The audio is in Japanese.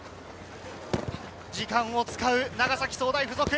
時間を使う長崎総大附属。